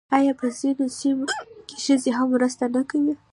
آیا په ځینو سیمو کې ښځې هم مرسته نه کوي؟